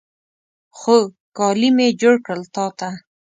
خو، کالي مې جوړ کړل تا ته